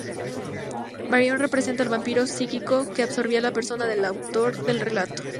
Byron representaría el vampiro psíquico que absorbía a la persona del autor del relato.